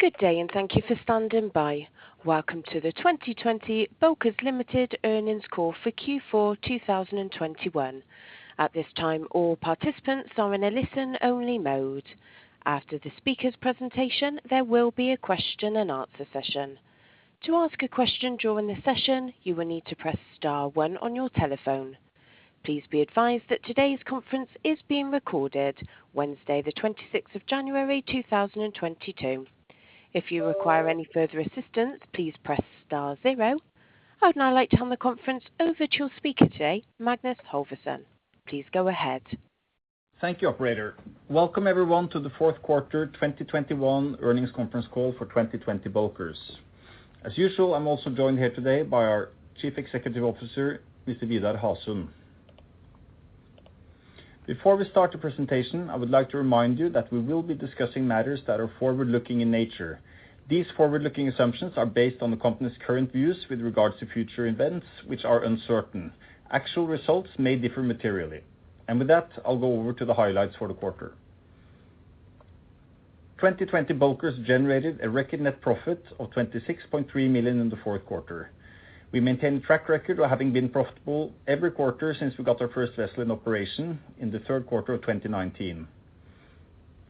Good day and thank you for standing by. Welcome to the 2020 Bulkers Limited earnings call for Q4 2021. At this time, all participants are in a listen-only mode. After the speaker's presentation, there will be a Q&A session. To ask a question during the session, you will need to press star one on your telephone. Please be advised that today's conference is being recorded. Wednesday, the 26th of January 2022. If you require any further assistance, please press star zero. I would now like to hand the conference over to your speaker today, Magnus Halvorsen. Please go ahead. Thank you, Operator. Welcome everyone to the fourth quarter 2021 earnings conference call for 2020 Bulkers. As usual, I'm also joined here today by our Chief Executive Officer, Mr. Vidar Hasund. Before we start the presentation, I would like to remind you that we will be discussing matters that are forward-looking in nature. These forward-looking assumptions are based on the company's current views with regards to future events which are uncertain. Actual results may differ materially. With that, I'll go over to the highlights for the quarter. 2020 Bulkers generated a record net profit of $26.3 million in the fourth quarter. We maintain track record of having been profitable every quarter since we got our first vessel in operation in the third quarter of 2019.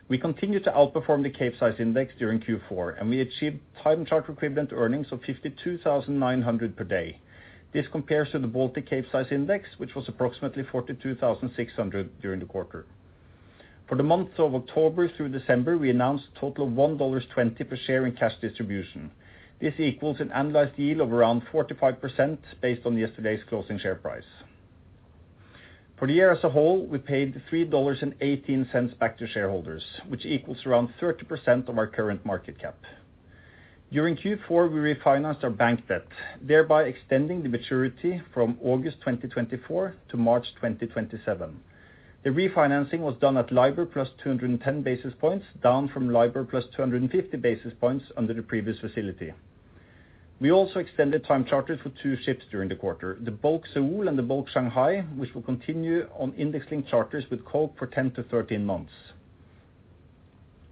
We continued to outperform the Capesize Index during Q4, and we achieved time charter equivalent earnings of $52,900 per day. This compares to the Baltic Capesize Index, which was approximately $42,600 during the quarter. For the months of October through December, we announced a total of $1.20 per share in cash distribution. This equals an annualized yield of around 45% based on yesterday's closing share price. For the year as a whole, we paid $3.18 back to shareholders, which equals around 30% of our current market cap. During Q4, we refinanced our bank debt, thereby extending the maturity from August 2024 to March 2027. The refinancing was done at LIBOR + 210 basis points, down from LIBOR + 250 basis points under the previous facility. We also extended time charters for two ships during the quarter, the Bulk Seoul and the Bulk Shanghai, which will continue on index-linked charters with Koch for 10-13 months.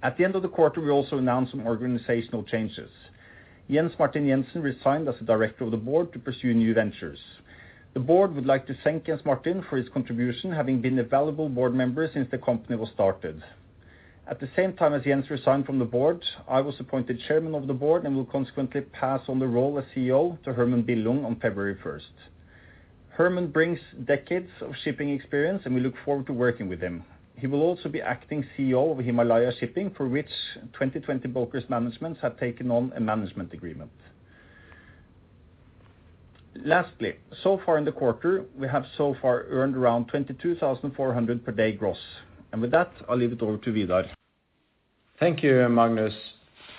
At the end of the quarter, we also announced some organizational changes. Jens Martin Jensen resigned as a Director of the Board to pursue new ventures. The board would like to thank Jens Martin for his contribution, having been a valuable board member since the company was started. At the same time as Jens resigned from the board, I was appointed Chairman of the Board and will consequently pass on the role as CEO to Herman Billung on February 1st. Herman brings decades of shipping experience, and we look forward to working with him. He will also be acting CEO of Himalaya Shipping, for which 2020 Bulkers management have taken on a management agreement. Lastly, so far in the quarter, we have so far earned around $22,400 per day gross. With that, I'll leave it over to Vidar. Thank you, Magnus.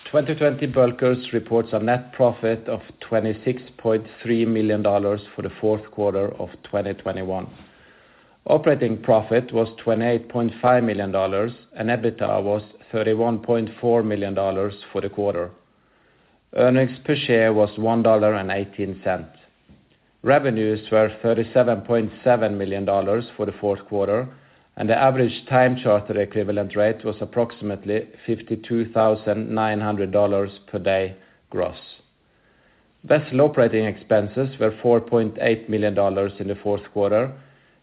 2020 Bulkers reports a net profit of $26.3 million for the fourth quarter of 2021. Operating profit was $28.5 million, and EBITDA was $31.4 million for the quarter. Earnings per share was $1.18. Revenues were $37.7 million for the fourth quarter, and the average time charter equivalent rate was approximately $52,900 per day gross. Vessel operating expenses were $4.8 million in the fourth quarter,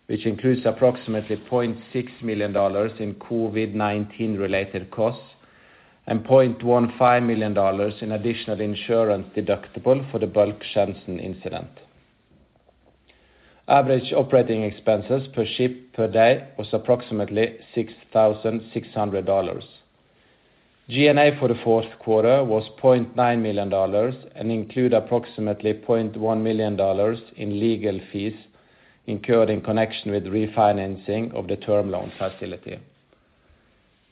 which includes approximately $0.6 million in COVID-19 related costs and $0.15 million in additional insurance deductible for the Bulk Shenzhen incident. Average operating expenses per ship per day was approximately $6,600. G&A for the fourth quarter was $0.9 million and include approximately $0.1 million in legal fees incurred in connection with refinancing of the term loan facility.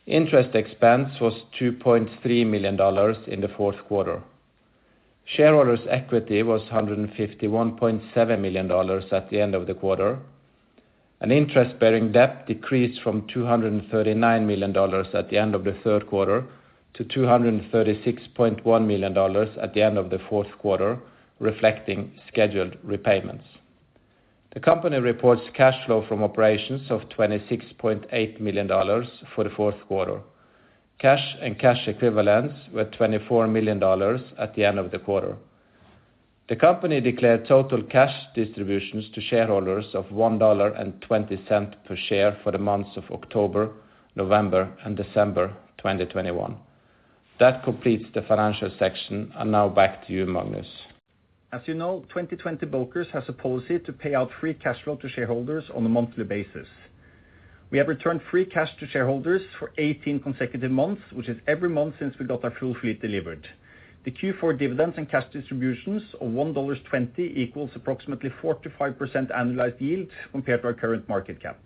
Interest expense was $2.3 million in the fourth quarter. Shareholders' equity was $151.7 million at the end of the quarter. Interest-bearing debt decreased from $239 million at the end of the third quarter to $236.1 million at the end of the fourth quarter, reflecting scheduled repayments. The company reports cash flow from operations of $26.8 million for the fourth quarter. Cash and cash equivalents were $24 million at the end of the quarter. The company declared total cash distributions to shareholders of $1.20 per share for the months of October, November, and December 2021. That completes the financial section. Now back to you, Magnus. As you know, 2020 Bulkers has a policy to pay out free cash flow to shareholders on a monthly basis. We have returned free cash to shareholders for 18 consecutive months, which is every month since we got our full fleet delivered. The Q4 dividends and cash distributions of $1.20 equals approximately 45% annualized yield compared to our current market cap.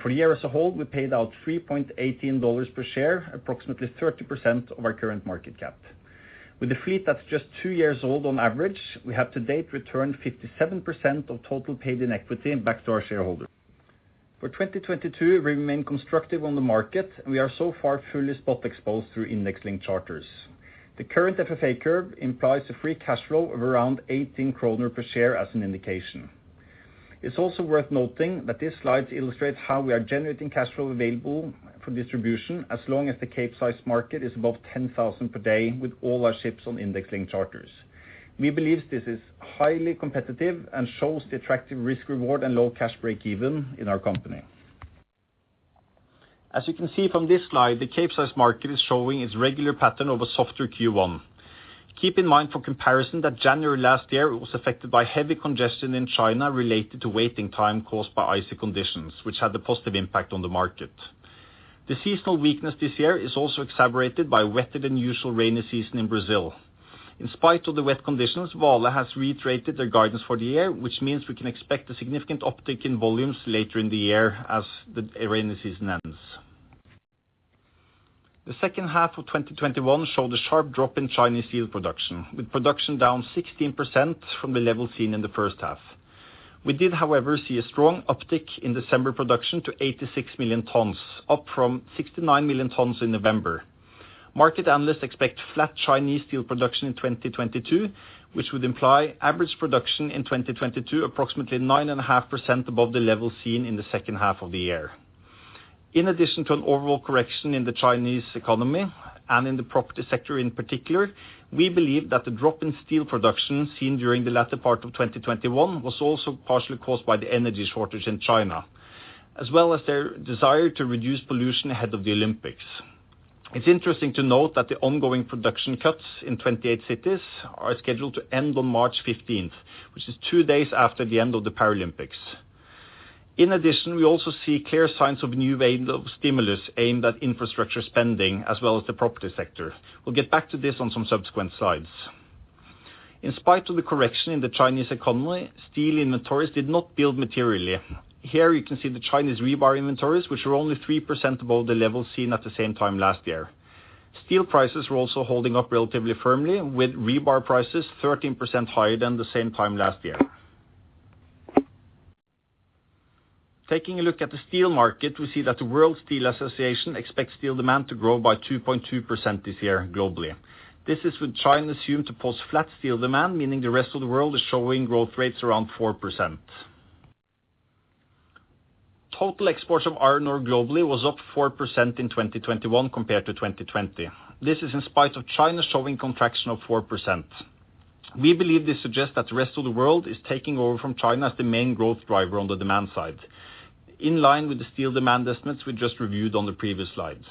For the year as a whole, we paid out $3.18 per share, approximately 30% of our current market cap. With a fleet that's just two years old on average, we have to date returned 57% of total paid in equity back to our shareholders. For 2022, we remain constructive on the market, and we are so far fully spot exposed through index-linked charters. The current FFA curve implies a free cash flow of around 18 kroner per share as an indication. It's also worth noting that this slide illustrates how we are generating cash flow available for distribution as long as the Capesize market is above $10,000 per day with all our ships on index-linked charters. We believe this is highly competitive and shows the attractive risk-reward and low cash break even in our company. As you can see from this slide, the Capesize market is showing its regular pattern of a softer Q1. Keep in mind for comparison that January last year was affected by heavy congestion in China related to waiting time caused by icy conditions, which had a positive impact on the market. The seasonal weakness this year is also exacerbated by wetter than usual rainy season in Brazil. In spite of the wet conditions, Vale has reiterated their guidance for the year, which means we can expect a significant uptick in volumes later in the year as the rainy season ends. The second half of 2021 showed a sharp drop in Chinese steel production, with production down 16% from the level seen in the first half. We did, however, see a strong uptick in December production to 86 million tons, up from 69 million tons in November. Market analysts expect flat Chinese steel production in 2022, which would imply average production in 2022 approximately 9.5% above the level seen in the second half of the year. In addition to an overall correction in the Chinese economy and in the property sector in particular, we believe that the drop in steel production seen during the latter part of 2021 was also partially caused by the energy shortage in China, as well as their desire to reduce pollution ahead of the Olympics. It's interesting to note that the ongoing production cuts in 28 cities are scheduled to end on March 15th, which is two days after the end of the Paralympics. In addition, we also see clear signs of new wave of stimulus aimed at infrastructure spending, as well as the property sector. We'll get back to this on some subsequent slides. In spite of the correction in the Chinese economy, steel inventories did not build materially. Here you can see the Chinese rebar inventories, which were only 3% above the level seen at the same time last year. Steel prices were also holding up relatively firmly, with rebar prices 13% higher than the same time last year. Taking a look at the steel market, we see that the World Steel Association expects steel demand to grow by 2.2% this year globally. This is with China assumed to post flat steel demand, meaning the rest of the world is showing growth rates around 4%. Total exports of iron ore globally was up 4% in 2021 compared to 2020. This is in spite of China showing contraction of 4%. We believe this suggests that the rest of the world is taking over from China as the main growth driver on the demand side. In line with the steel demand estimates we just reviewed on the previous slide.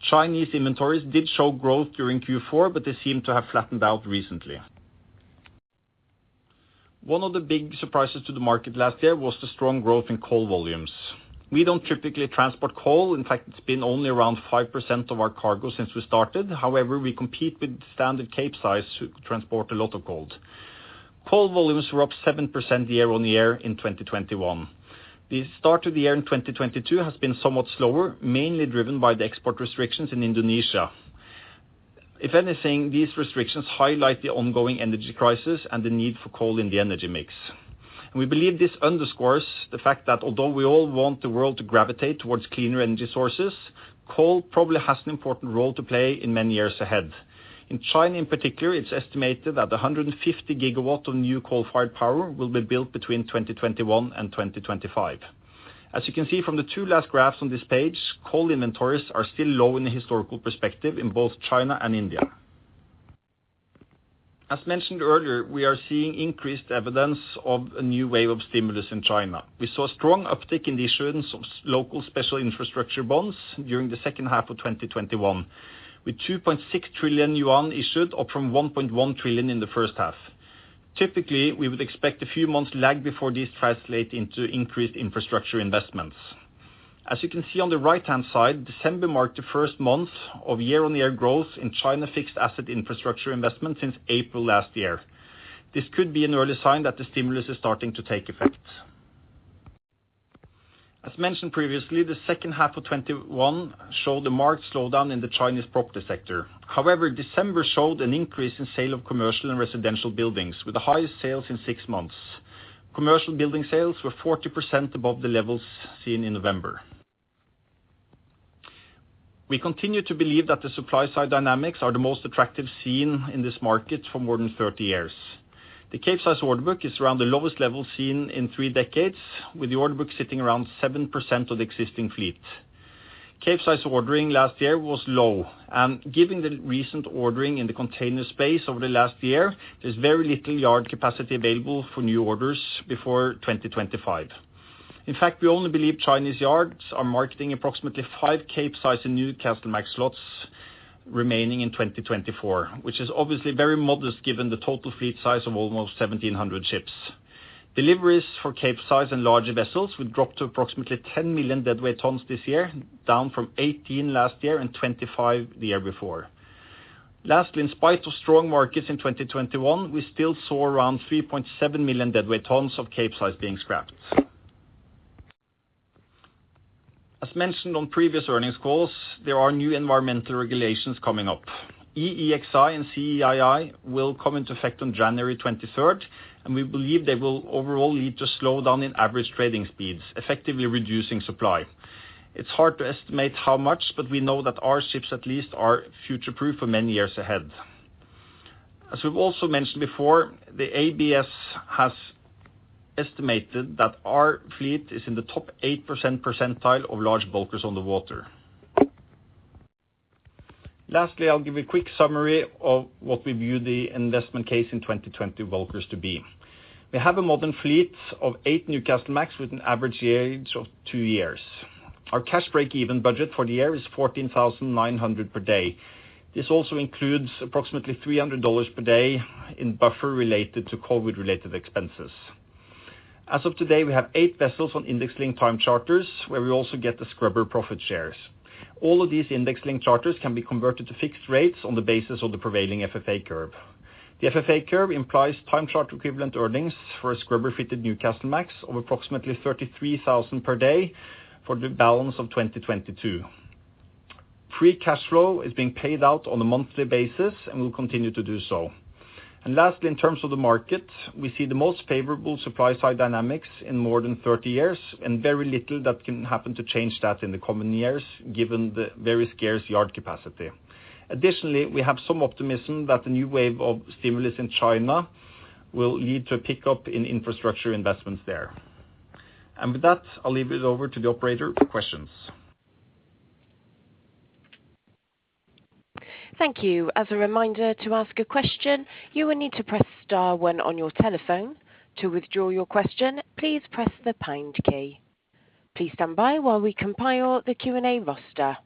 Chinese inventories did show growth during Q4, but they seem to have flattened out recently. One of the big surprises to the market last year was the strong growth in coal volumes. We don't typically transport coal. In fact, it's been only around 5% of our cargo since we started. However, we compete with standard Capesize who transport a lot of coal. Coal volumes were up 7% year-on-year in 2021. The start to the year in 2022 has been somewhat slower, mainly driven by the export restrictions in Indonesia. If anything, these restrictions highlight the ongoing energy crisis and the need for coal in the energy mix. We believe this underscores the fact that although we all want the world to gravitate towards cleaner energy sources, coal probably has an important role to play in many years ahead. In China, in particular, it's estimated that 150 GW of new coal-fired power will be built between 2021 and 2025. As you can see from the two last graphs on this page, coal inventories are still low in the historical perspective in both China and India. As mentioned earlier, we are seeing increased evidence of a new wave of stimulus in China. We saw a strong uptick in the issuance of local special infrastructure bonds during the second half of 2021, with 2.6 trillion yuan issued, up from 1.1 trillion in the first half. Typically, we would expect a few months lag before these translate into increased infrastructure investments. As you can see on the right-hand side, December marked the first month of year-on-year growth in China fixed asset infrastructure investment since April last year. This could be an early sign that the stimulus is starting to take effect. As mentioned previously, the second half of 2021 showed a marked slowdown in the Chinese property sector. However, December showed an increase in sale of commercial and residential buildings with the highest sales in six months. Commercial building sales were 40% above the levels seen in November. We continue to believe that the supply side dynamics are the most attractive seen in this market for more than 30 years. The Capesize order book is around the lowest level seen in three decades, with the order book sitting around 7% of the existing fleet. Capesize ordering last year was low, and given the recent ordering in the container space over the last year, there's very little yard capacity available for new orders before 2025. In fact, we only believe Chinese yards are marketing approximately 5 Capesize in Newcastlemax slots remaining in 2024, which is obviously very modest given the total fleet size of almost 1,700 ships. Deliveries for Capesize and larger vessels would drop to approximately 10 million deadweight tons this year, down from 18 million last year and 25 million the year before. Lastly, in spite of strong markets in 2021, we still saw around 3.7 million deadweight tons of Capesize being scrapped. As mentioned on previous earnings calls, there are new environmental regulations coming up. EEXI and CII will come into effect on January 23rd, and we believe they will overall lead to a slowdown in average trading speeds, effectively reducing supply. It's hard to estimate how much, but we know that our ships at least are future-proof for many years ahead. As we've also mentioned before, the ABS has estimated that our fleet is in the top 8% percentile of large bulkers on the water. Lastly, I'll give a quick summary of what we view the investment case in 2020 Bulkers to be. We have a modern fleet of eight Newcastlemax with an average age of two years. Our cash break-even budget for the year is $14,900 per day. This also includes approximately $300 per day in buffer related to COVID-related expenses. As of today, we have eight vessels on index-linked time charters, where we also get the scrubber profit shares. All of these index-linked charters can be converted to fixed rates on the basis of the prevailing FFA curve. The FFA curve implies time charter equivalent earnings for a scrubber-fitted Newcastlemax of approximately $33,000 per day for the balance of 2022. Free cash flow is being paid out on a monthly basis and will continue to do so. Lastly, in terms of the market, we see the most favorable supply-side dynamics in more than 30 years, and very little that can happen to change that in the coming years, given the very scarce yard capacity. Additionally, we have some optimism that the new wave of stimulus in China will lead to a pickup in infrastructure investments there. With that, I'll leave it over to the Operator for questions. Thank you. As a reminder, to ask a question, you would need to press star one on your telephone. To withdraw your question, please press the pound key. Please stand by while we compile the Q&A roster.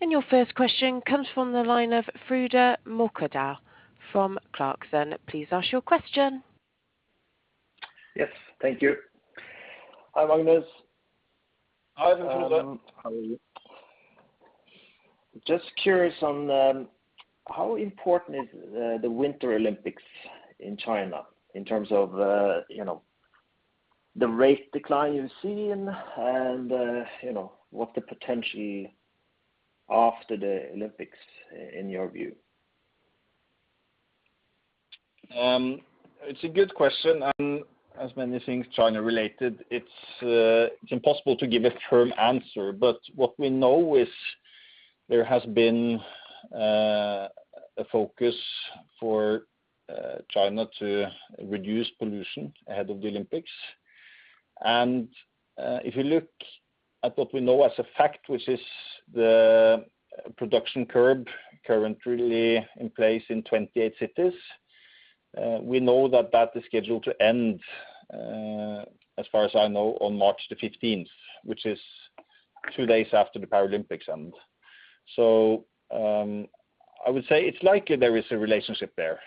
Your first question comes from the line of Frode Mørkedal from Clarksons. Please ask your question. Yes, thank you. Hi, Magnus. Hi, Frode. How are you? Just curious on how important is the Winter Olympics in China in terms of, you know, the rate decline you're seeing and, you know, what the potential after the Olympics in your view? It's a good question. As many things China related, it's impossible to give a firm answer. What we know is there has been a focus for China to reduce pollution ahead of the Olympics. If you look at what we know as a fact, which is the production curb currently in place in 28 cities, we know that that is scheduled to end, as far as I know, on March 15th, which is two days after the Paralympics end. I would say it's likely there is a relationship there.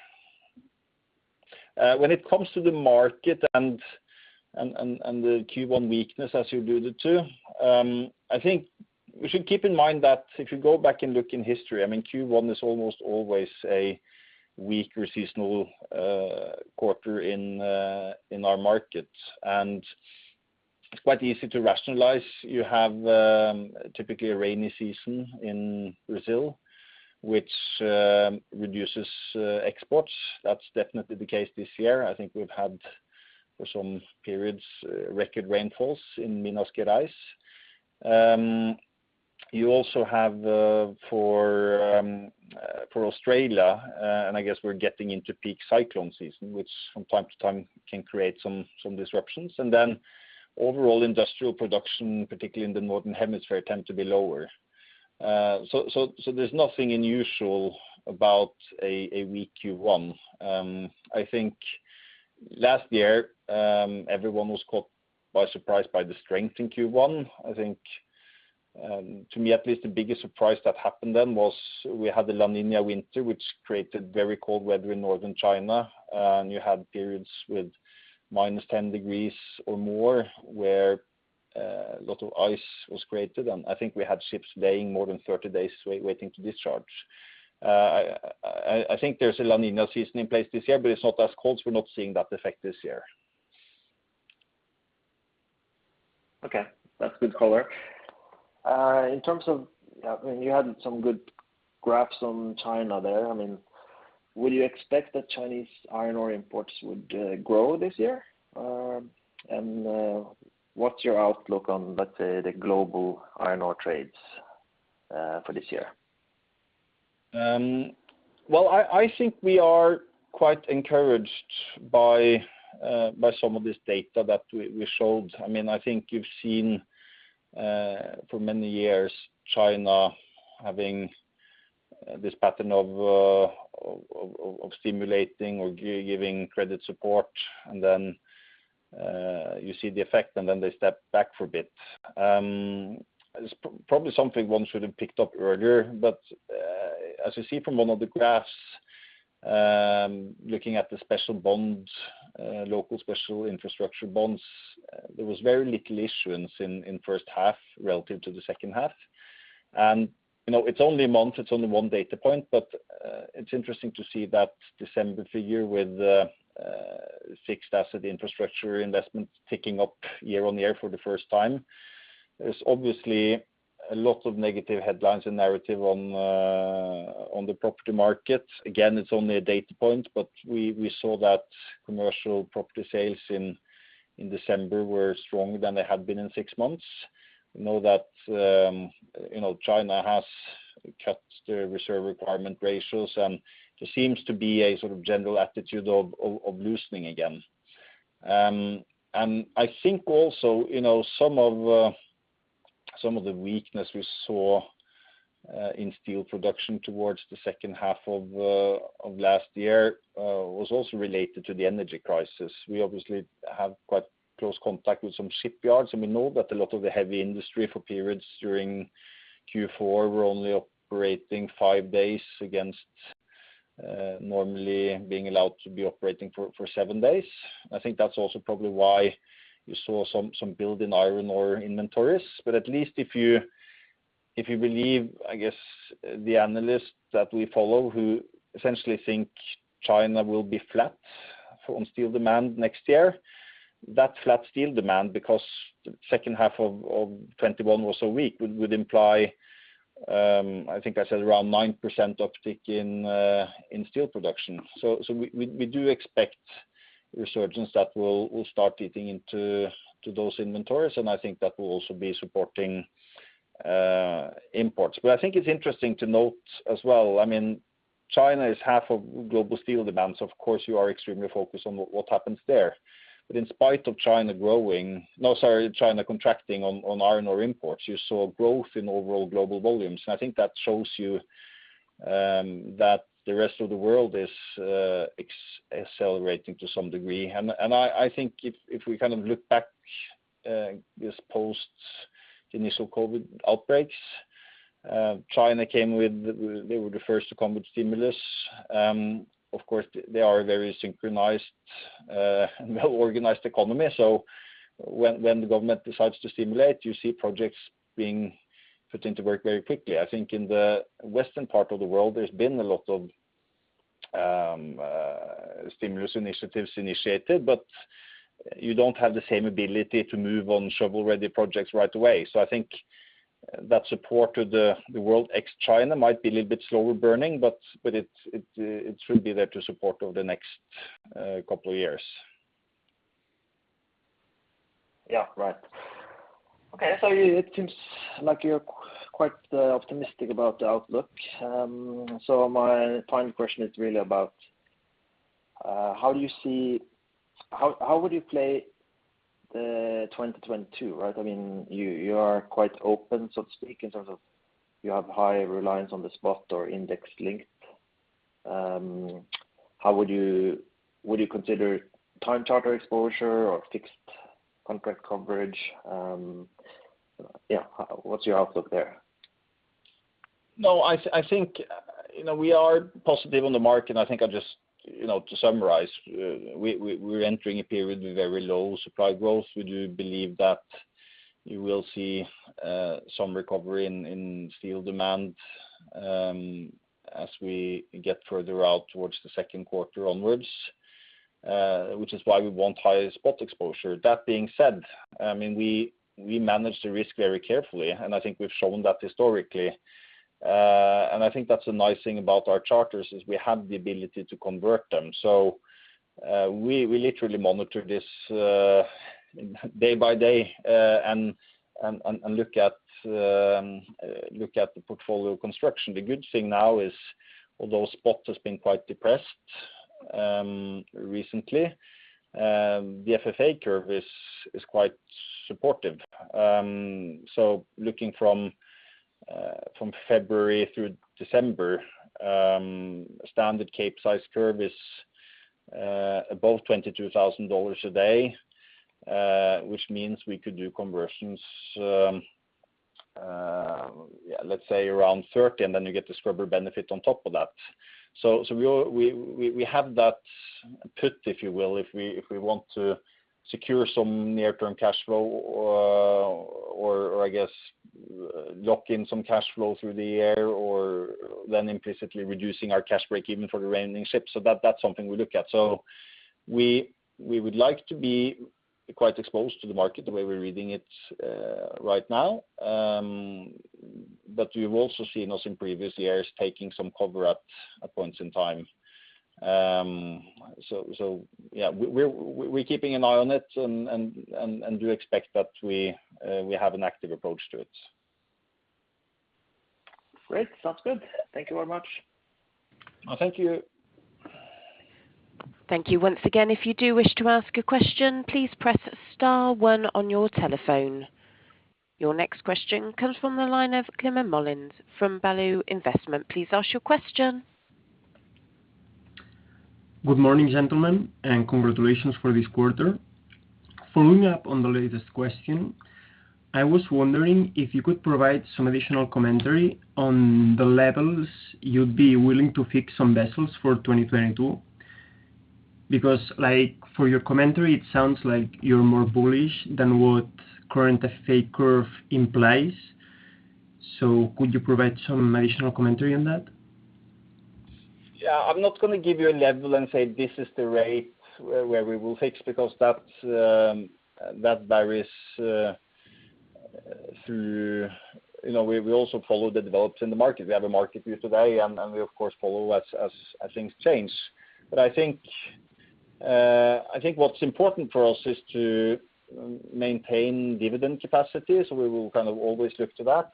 When it comes to the market and the Q1 weakness as you alluded to, I think we should keep in mind that if you go back and look in history, I mean, Q1 is almost always a weaker seasonal quarter in our market. It's quite easy to rationalize. You have typically a rainy season in Brazil, which reduces exports. That's definitely the case this year. I think we've had for some periods record rainfalls in Minas Gerais. You also have for Australia and I guess we're getting into peak cyclone season, which from time to time can create some disruptions. Overall industrial production, particularly in the northern hemisphere, tend to be lower. There's nothing unusual about a weak Q1. I think last year everyone was caught by surprise by the strength in Q1. I think to me, at least, the biggest surprise that happened then was we had the La Niña winter, which created very cold weather in northern China. You had periods with -10 degrees or more where a lot of ice was created. I think we had ships laying more than 30 days waiting to discharge. I think there's a La Niña season in place this year, but it's not as cold, so we're not seeing that effect this year. Okay. That's good color. In terms of, I mean, you had some good graphs on China there. I mean, would you expect that Chinese iron ore imports would grow this year? What's your outlook on, let's say, the global iron ore trades for this year? Well, I think we are quite encouraged by some of this data that we showed. I mean, I think you've seen for many years China having this pattern of stimulating or giving credit support, and then you see the effect, and then they step back for a bit. It's probably something one should have picked up earlier. As you see from one of the graphs, looking at the special bonds, local special infrastructure bonds, there was very little issuance in first half relative to the second half. You know, it's only a month, it's only one data point, but it's interesting to see that December figure with fixed asset infrastructure investments ticking up year-on-year for the first time. There's obviously a lot of negative headlines and narrative on the property market. Again, it's only a data point, but we saw that commercial property sales in December were stronger than they had been in six months. We know that, you know, China has cut their reserve requirement ratios, and there seems to be a sort of general attitude of loosening again. I think also, you know, some of the weakness we saw in steel production towards the second half of last year was also related to the energy crisis. We obviously have quite close contact with some shipyards, and we know that a lot of the heavy industry for periods during Q4 were only operating five days against normally being allowed to be operating for seven days. I think that's also probably why you saw some build in iron ore inventories. At least if you believe, I guess, the analysts that we follow, who essentially think China will be flat on steel demand next year, that flat steel demand, because the second half of 2021 was so weak, would imply. I think I said around 9% uptick in steel production. We do expect resurgence that will start eating into those inventories, and I think that will also be supporting imports. I think it's interesting to note as well, I mean, China is half of global steel demand. Of course, you are extremely focused on what happens there. In spite of China contracting on iron ore imports, you saw growth in overall global volumes. I think that shows you that the rest of the world is accelerating to some degree. I think if we kind of look back just post the initial COVID outbreaks, they were the first to come with stimulus. Of course, they are a very synchronized and well-organized economy. When the government decides to stimulate, you see projects being put into work very quickly. I think in the western part of the world, there's been a lot of stimulus initiatives initiated, but you don't have the same ability to move on shovel-ready projects right away. I think that support to the world ex-China might be a little bit slower burning, but it should be there to support over the next couple of years. Yeah. Right. Okay. It seems like you're quite optimistic about the outlook. My final question is really about how would you play 2022, right? I mean, you are quite open, so to speak, in terms of you have high reliance on the spot or index link. Would you consider time charter exposure or fixed contract coverage? Yeah. What's your outlook there? No, I think, you know, we are positive on the market. I think I'll just, you know, to summarize, we're entering a period with very low supply growth. We do believe that you will see some recovery in steel demand as we get further out towards the second quarter onwards, which is why we want higher spot exposure. That being said, I mean, we manage the risk very carefully, and I think we've shown that historically. I think that's a nice thing about our charters, is we have the ability to convert them. We literally monitor this day by day and look at the portfolio construction. The good thing now is, although spot has been quite depressed recently, the FFA curve is quite supportive. Looking from February through December, standard Capesize curve is above $22,000 a day, which means we could do conversions, yeah, let's say around $30,000, and then you get the scrubber benefit on top of that. We have that put, if you will, if we want to secure some near-term cash flow or I guess lock in some cash flow through the year or then implicitly reducing our cash break-even for the remaining ships. That's something we look at. We would like to be quite exposed to the market the way we're reading it right now. But we've also seen in previous years taking some cover at points in time. Yeah, we're keeping an eye on it and do expect that we have an active approach to it. Great. Sounds good. Thank you very much. Thank you. Thank you once again. If you do wish to ask a question, please press star one on your telephone. Your next question comes from the line of Climent Molins from Value Investment. Please ask your question. Good morning, gentlemen, and congratulations for this quarter. Following up on the latest question, I was wondering if you could provide some additional commentary on the levels you'd be willing to fix on vessels for 2022. Because, like, for your commentary, it sounds like you're more bullish than what current FFA curve implies. Could you provide some additional commentary on that? Yeah, I'm not gonna give you a level and say, this is the rate where we will fix because that's that varies through. You know, we also follow the developments in the market. We have a market view today and we of course follow as things change. I think what's important for us is to maintain dividend capacity. We will kind of always look to that.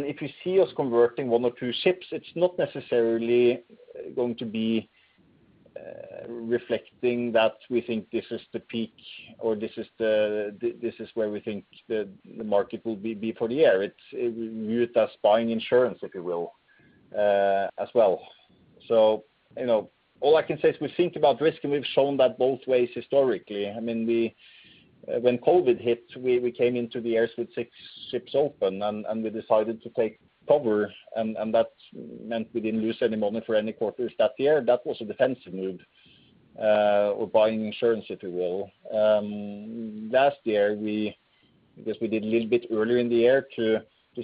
If you see us converting one or two ships, it's not necessarily going to be reflecting that we think this is the peak or this is where we think the market will be for the year. We view it as buying insurance, if you will, as well. You know, all I can say is we think about risk, and we've shown that both ways historically. I mean, when COVID hit, we came into the year with six ships open and we decided to take cover and that meant we didn't lose any money for any quarters that year. That was a defensive move, or buying insurance, if you will. Last year, I guess we did a little bit earlier in the year to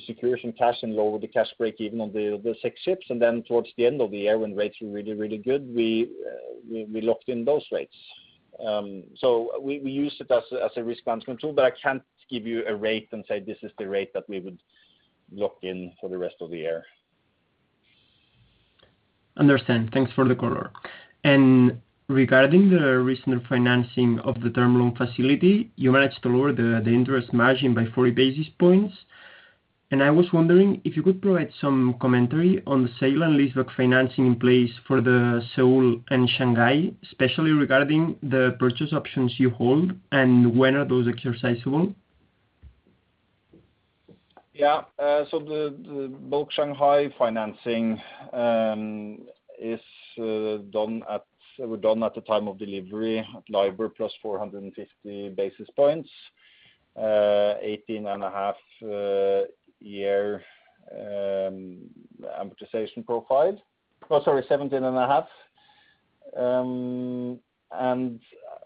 secure some cash and lower the cash break-even on the six ships, and then towards the end of the year when rates were really, really good, we locked in those rates. We use it as a risk management tool, but I can't give you a rate and say, this is the rate that we would lock in for the rest of the year. Understand. Thanks for the color. Regarding the recent financing of the term loan facility, you managed to lower the interest margin by 40 basis points, and I was wondering if you could provide some commentary on the sale and leaseback financing in place for the Bulk Seoul and Bulk Shanghai, especially regarding the purchase options you hold, and when are those exercisable? Yeah. The Bulk Shanghai financing is done at the time of delivery at LIBOR + 450 basis points, 17.5-year amortization profile.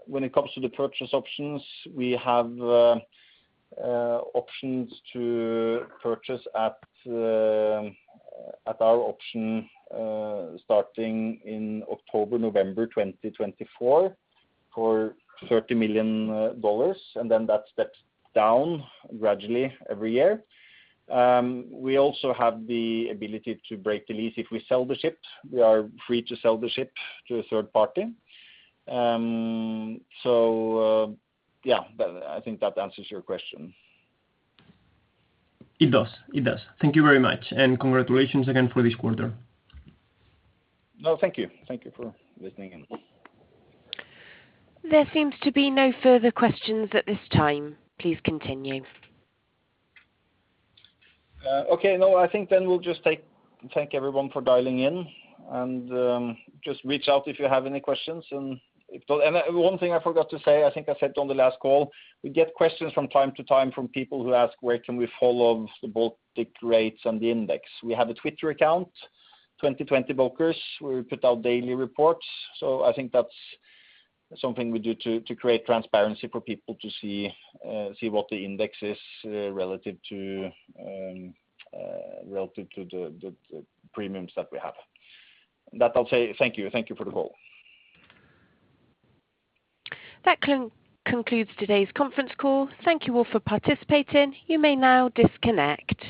When it comes to the purchase options, we have options to purchase at our option starting in October, November 2024 for $30 million, and then that steps down gradually every year. We also have the ability to break the lease if we sell the ship. We are free to sell the ship to a third party. I think that answers your question. It does. Thank you very much, and congratulations again for this quarter. No, thank you. Thank you for listening in. There seems to be no further questions at this time. Please continue. Okay. No, I think we'll just thank everyone for dialing in and just reach out if you have any questions. One thing I forgot to say, I think I said it on the last call, we get questions from time to time from people who ask where can we follow the Baltic rates and the index. We have a Twitter account, 2020 Bulkers, where we put out daily reports. I think that's something we do to create transparency for people to see what the index is relative to the premiums that we have. I'll say thank you. Thank you for the call. That concludes today's conference call. Thank you all for participating. You may now disconnect.